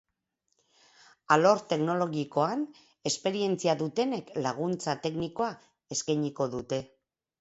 Alor teknologikoan esperientzia dutenek laguntza teknikoa eskainiko dute.